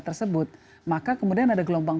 tersebut maka kemudian ada gelombang